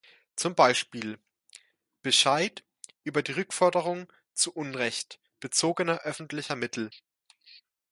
Zum Beispiel: Bescheid über die Rückforderung zu Unrecht bezogener öffentlicher Mittel.